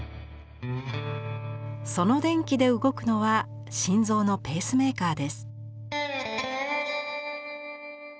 その電気で動くのは心臓のペースメーカーです。